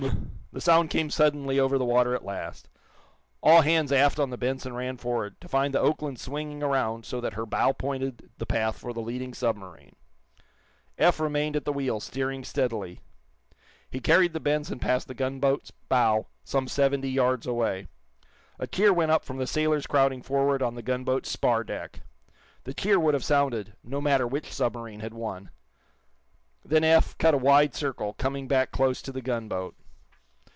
The sound came suddenly over the water, at last. All hands aft on the "Benson" ran forward, to find the "Oakland" swinging around so that her bow pointed the path for the leading submarine. Eph remained at the wheel, steering steadily. He carried the "Benson" past the gunboat's bow, some seventy yards away. A cheer went up from the sailors crowding forward on the gunboat's spar deck. The cheer would have sounded, no matter which submarine had won. Then Eph cut a wide circle, coming back close to the gunboat.